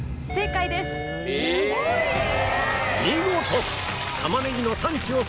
見事！